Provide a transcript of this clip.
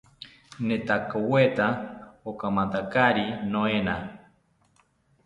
Netakoweta okamantakari noena